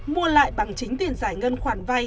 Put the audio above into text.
mua lại bằng chính tiền giải ngân khoản vay